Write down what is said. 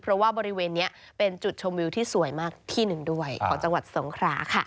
เพราะว่าบริเวณนี้เป็นจุดชมวิวที่สวยมากที่หนึ่งด้วยของจังหวัดสงคราค่ะ